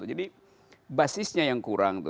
jadi basisnya yang kurang